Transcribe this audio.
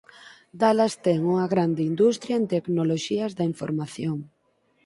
Dallas ten unha grande industria en tecnoloxías da información.